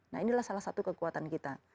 nah inilah salah satu kekuatan kita